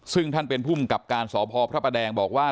ซึ่งท่านเป็นผู้มกับการสอบพพระแดงบอกว่า